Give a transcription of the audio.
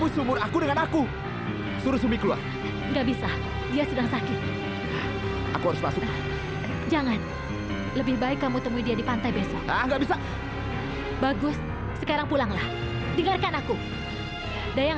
sampai jumpa di video selanjutnya